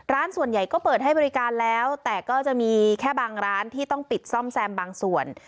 ร้านส่วนใหญ่ก็เปิดให้บริการแล้วแต่ก็จะมีแค่บางร้านที่ต้องปิดซ่อมแซมบางส่วน